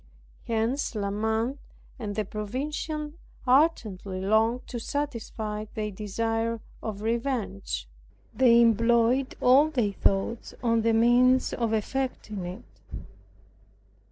Hence he and the provincial ardently longed to satisfy their desire of revenge. They employed all their thoughts on the means of effecting it.